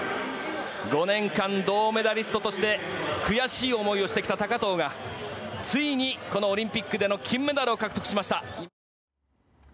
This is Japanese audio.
５年間、銅メダリストとして悔しい思いをしてきた高藤がついにこのオリンピックでの金メダルを獲得しました。